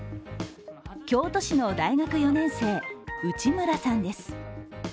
京都市の大学４年生、内村さんです。